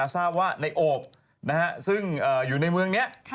ทราบว่าในโอบซึ่งอยู่ในเมืองนี้